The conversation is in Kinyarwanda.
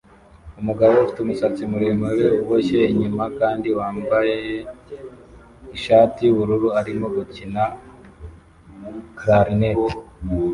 Umugabo ufite umusatsi muremure uboshye inyuma kandi wambaye ishati yubururu arimo gukina Clarinet